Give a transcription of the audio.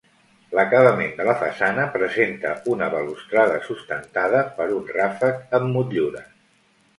L'acabament de la façana presenta una balustrada sustentada per un ràfec amb motllures.